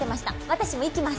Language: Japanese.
私も行きます